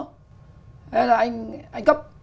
thế là anh cấp